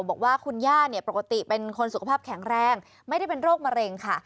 บอกว่าคุณย่าเนี่ยปกติเป็นคนสุขภาพแข็งแรงไม่ได้เป็นโรคมะเร็งค่ะ